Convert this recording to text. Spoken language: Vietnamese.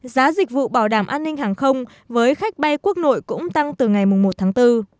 giá dịch vụ bảo đảm an ninh hàng không với khách bay quốc nội cũng tăng từ ngày một tháng bốn